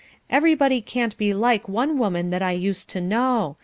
Everybody can't be like one woman that I used to know.